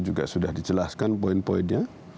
juga sudah dijelaskan poin poinnya